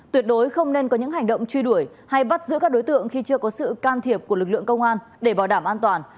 tuyệt đối không nên có những hành động truy đuổi hay bắt giữ các đối tượng khi chưa có sự can thiệp của lực lượng công an để bảo đảm an toàn